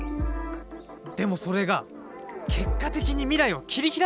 でもそれが結果的に未来を切り開いたんだってさ。